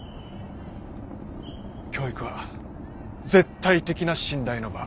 教育は絶対的な信頼の場。